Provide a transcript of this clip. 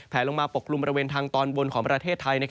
ลงมาปกกลุ่มบริเวณทางตอนบนของประเทศไทย